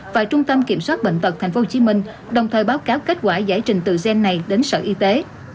và trung tâm kiểm soát bệnh tật tp hcm đồng thời báo cáo kết quả giải trình từ gen này đến sở y tế